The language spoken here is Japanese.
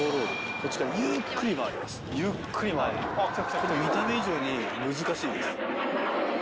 これ見た目以上に難しいです。